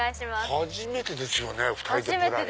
初めてですよね２人で『ぶらり』。